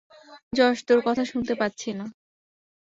Josh, তোর কথা শুনতে পাচ্ছি না!